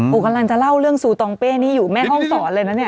กำลังจะเล่าเรื่องซูตองเป้นี่อยู่แม่ห้องศรเลยนะเนี่ย